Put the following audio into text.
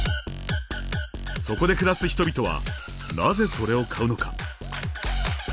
そこで暮らす人々はなぜそれを買うのか。